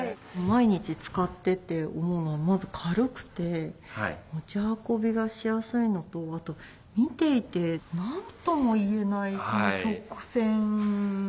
毎日使ってて思うのはまず軽くて持ち運びがしやすいのとあと見ていて何ともいえないこの曲線で。